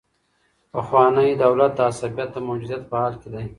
پخوانی دولت د عصبيت د موجودیت په حال کي دی.